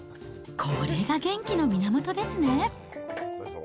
これが元気の源ですね。